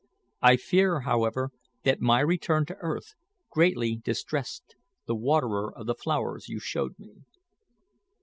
I fear, however, that my return to earth greatly distressed the waterer of the flowers you showed me."